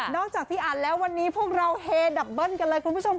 จากที่อ่านแล้ววันนี้พวกเราเฮดับเบิ้ลกันเลยคุณผู้ชม